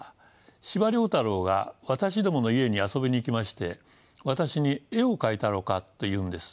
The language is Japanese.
司馬太郎が私どもの家に遊びに来まして私に「絵を描いたろうか」と言うんです。